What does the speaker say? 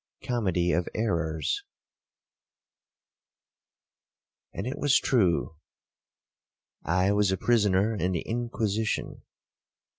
COMEDY OF ERRORS 'And it was true,—I was a prisoner in the Inquisition.